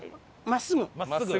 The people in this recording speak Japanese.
真っすぐ。